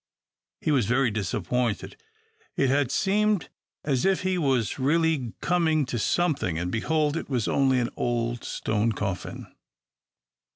He was much disappointed. It had seemed as if he was really coming to something, and, behold, it was only an old stone coffin!